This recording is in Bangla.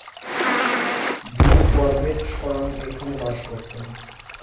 জিম করবেট স্বয়ং এখানে বাস করতেন।